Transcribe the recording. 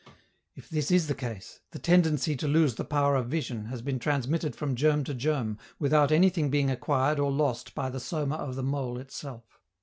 If this is the case, the tendency to lose the power of vision has been transmitted from germ to germ without anything being acquired or lost by the soma of the mole itself.